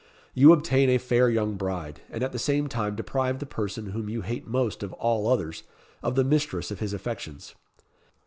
You obtain a fair young bride, and at the same time deprive the person whom you hate most of all others, of the mistress of his affections.